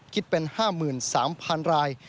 คิดเป็น๕๓๐๐๐ราย